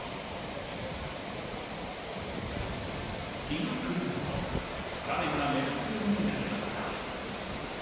日が暮れると、画面が目立つようになりました。